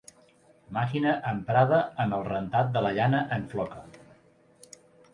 Màquina emprada en el rentat de la llana en floca.